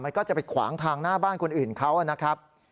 ก็จะไปขวางทางหน้าบ้านคนอื่นเขานะครับ